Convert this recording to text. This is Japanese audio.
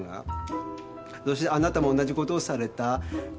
そしてあなたも同じことをされた癖なんですね。